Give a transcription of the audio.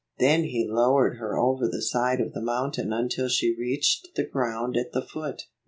Then he lowered her over the side of the mountain until she reached the ground at the foot.